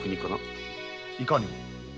いかにも。